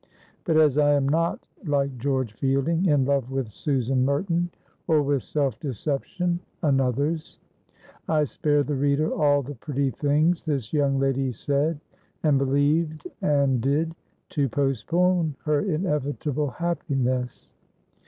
But, as I am not, like George Fielding, in love with Susan Merton, or with self deception (another's), I spare the reader all the pretty things this young lady said and believed and did, to postpone her inevitable happiness.